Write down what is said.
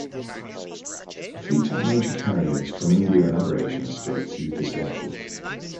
A fleet of major carriers from India and other Asian states use this airport.